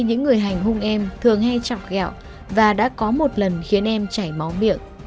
những người hành hung em thường hay chọc gạo và đã có một lần khiến em chảy máu miệng